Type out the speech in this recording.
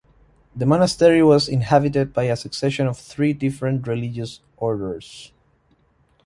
The monastery was inhabited by a succession of three different religious orders.